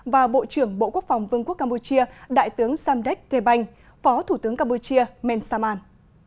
và bộ trưởng bộ quốc phòng vương quốc campuchia đại tướng samdech the banh phó thủ tướng campuchia mensaman